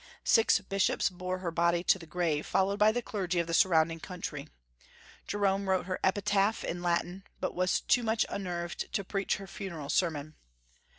Six bishops bore her body to the grave, followed by the clergy of the surrounding country. Jerome wrote her epitaph in Latin, but was too much unnerved to preach her funeral sermon.